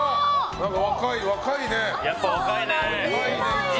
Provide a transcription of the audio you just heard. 若いね。